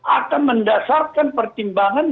akan mendasarkan pertimbangan